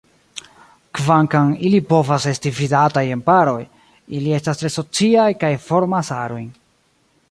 Kvankam ili povas esti vidataj en paroj, ili estas tre sociaj kaj formas arojn.